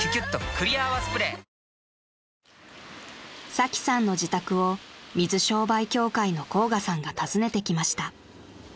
［サキさんの自宅を水商売協会の甲賀さんが訪ねてきました］